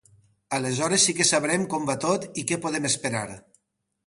Aleshores sí que sabrem com va tot i què podem esperar.